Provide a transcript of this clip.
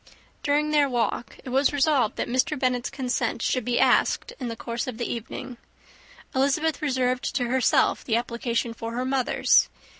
During their walk, it was resolved that Mr. Bennet's consent should be asked in the course of the evening: Elizabeth reserved to herself the application for her mother's.